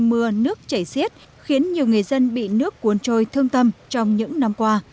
mưa nước chảy xiết khiến nhiều người dân bị nước cuốn trôi thương tâm trong những năm qua